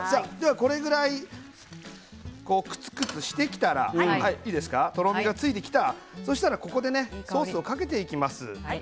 これぐらいくつくつしてきたらとろみがついてきたらここにソースをかけていきます。